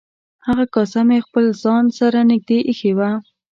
هغه کاسه مې خپل ځان سره نږدې ایښې وه.